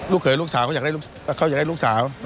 เขยลูกสาวเขาอยากได้ลูกสาว